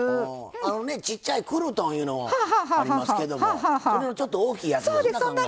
あのねちっちゃいクルトンいうのありますけどもそれのちょっと大きいやつですな。